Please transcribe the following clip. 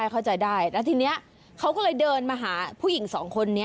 เข้าใจได้แล้วทีนี้เขาก็เลยเดินมาหาผู้หญิงสองคนนี้